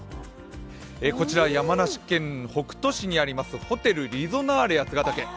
こちらは山梨県北杜市にあります、ホテルリゾナーレ八ヶ岳。